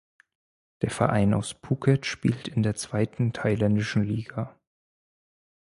Der Verein aus Phuket spielte in der zweiten thailändischen Liga.